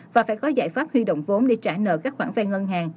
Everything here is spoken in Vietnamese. và phải có giải pháp huy động vốn để trả nợ các khoản vay ngân hàng